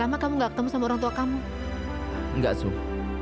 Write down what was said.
ayahmu seorang perampok